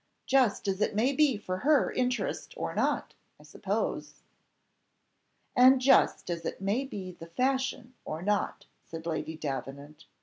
Just as it may be for her interest or not, I suppose." "And just as it may be the fashion or not," said Lady Davenant.